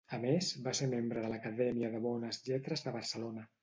A més, va ser membre de l'Acadèmia de Bones Lletres de Barcelona.